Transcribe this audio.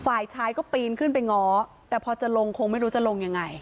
ฝ่ายชายก็ปีนขึ้นไปง้อแต่พอจะลงคงไม่รู้จะลงยังไง